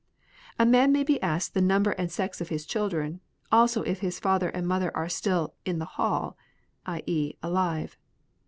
A man may be asked the number and sex of his children ; also if his father and mother are still *' in the hall," i.e., alive.